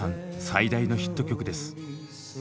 最大のヒット曲です。